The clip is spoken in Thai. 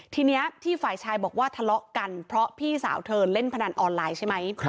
ทีนี้ที่ฝ่ายชายบอกว่าทะเลาะกันเพราะพี่สาวเธอเล่นพนันออนไลน์ใช่ไหม